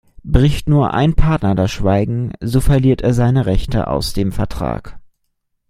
Bricht nur ein Partner das Schweigen, so verliert er seine Rechte aus dem Vertrag.